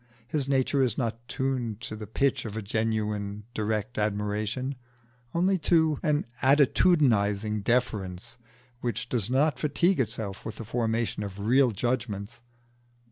His nature is not tuned to the pitch of a genuine direct admiration, only to an attitudinising deference which does not fatigue itself with the formation of real judgments.